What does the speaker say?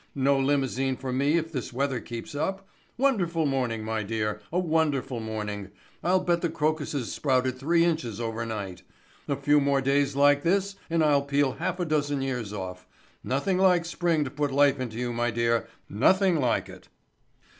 No limousine for me if this weather keeps up. Wonderful morning, my dear, a wonderful morning. I'll bet the crocuses sprouted three inches over night. A few more days like this and I'll peel a half dozen years off. Nothing like spring to put life into you, my dear, nothing like it."